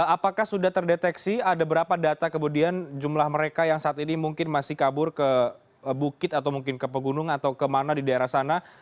apakah sudah terdeteksi ada berapa data kemudian jumlah mereka yang saat ini mungkin masih kabur ke bukit atau mungkin ke pegunung atau kemana di daerah sana